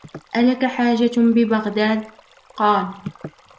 أَلَكَ حَاجَةٌ بِبَغْدَادَ ؟ قَالَ